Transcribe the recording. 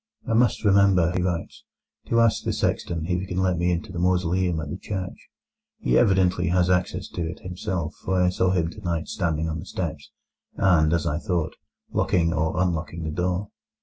"I must remember," he writes, "to ask the sexton if he can let me into the mausoleum at the church. He evidently has access to it himself, for I saw him tonight standing on the steps, and, as I thought, locking or unlocking the door."